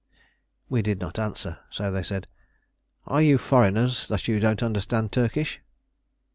We did not answer, so they said, "Are you foreigners that you don't understand Turkish?"